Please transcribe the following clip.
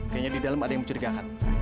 kayaknya di dalam ada yang mencurigakan